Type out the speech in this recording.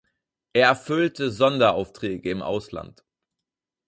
Er erfüllte Sonderaufträge im Ausland.